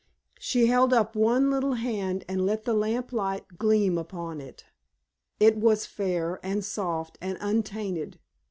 She held up one little hand and let the lamp light gleam across it. It was fair, and soft, and untainted.